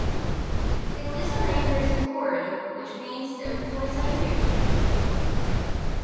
He leads the nine-person board, which meets twice a year.